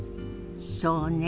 そうね。